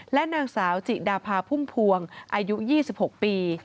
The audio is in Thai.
และนางสาวจิดาภาพุ่มพวงอายุ๒๖ปี